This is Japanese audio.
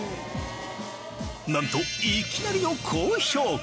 なんといきなりの高評価。